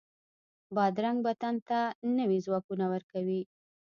بادرنګ بدن ته نوی ځواک ورکوي.